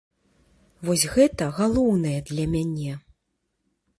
Вось гэта галоўнае для мяне.